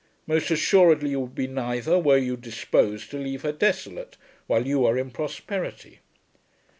Most assuredly you would be neither were you disposed to leave her desolate, while you are in prosperity.